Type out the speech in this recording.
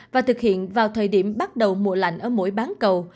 và thực hiện vào thời điểm bắt đầu mùa lạnh ở mỗi bán cầu